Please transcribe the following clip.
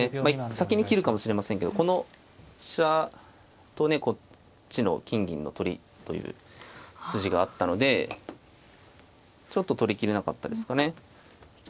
先に切るかもしれませんけどこの飛車とねこっちの金銀の取りという筋があったのでちょっと取りきれなかったですかね。